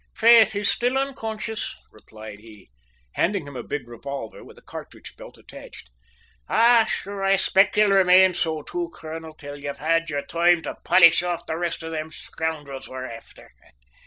"Faith, he's still unconshus," replied he, handing him a big revolver with a cartridge belt attached; "ah, sure, I 'spect he'll remain so, too, colonel, till you've had toime to polish off the rest of thim schoindrels we're afther.